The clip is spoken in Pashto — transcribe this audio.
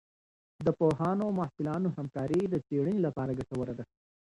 د پوهانو او محصلانو همکارۍ د څېړنې لپاره ګټوره ده.